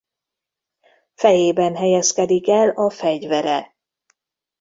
Fejében helyezkedik el a fegyvere.